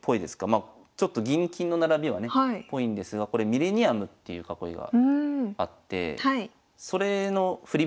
まあちょっと銀金の並びはねっぽいんですがこれミレニアムっていう囲いがあってそれの振り